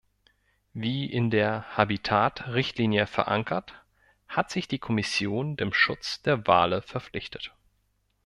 Wie in der Habitat-Richtlinie verankert, hat sich die Kommission dem Schutz der Wale verpflichtet.